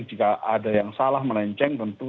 jika ada yang salah melenceng tentu